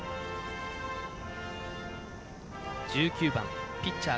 １９番、ピッチャー